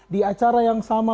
di acara yang sama